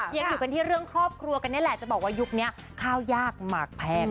ยังอยู่กันที่เรื่องครอบครัวกันนี่แหละจะบอกว่ายุคนี้ข้าวยากหมากแพง